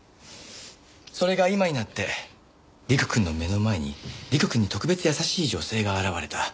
それが今になって陸くんの目の前に陸くんに特別優しい女性が現れた。